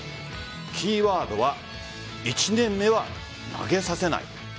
キーワードは１年目は投げさせない。